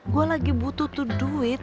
gue lagi butuh tuh duit